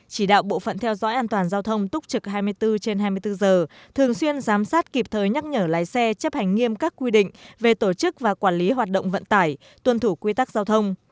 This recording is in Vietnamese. chỉ đạo bộ phận theo dõi an toàn giao thông túc trực hai mươi bốn trên hai mươi bốn giờ thường xuyên giám sát kịp thời nhắc nhở lái xe chấp hành nghiêm các quy định về tổ chức và quản lý hoạt động vận tải tuân thủ quy tắc giao thông